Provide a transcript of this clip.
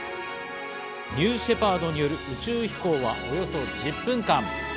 ニューシェパードによる宇宙飛行はおよそ１０分間。